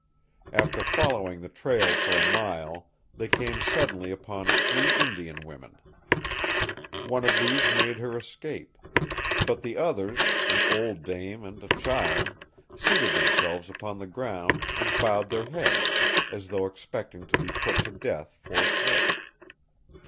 After following the trail for a mile, they came suddenly upon three Indian women. One of these made her escape; but the others, an old dame and a child, seated themselves upon the ground and bowed their heads, as though expecting to be put to death forthwith.